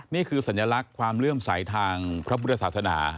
นี่คือสัญลักษณ์ความเลื่อมใสทางพระพุทธศาสนา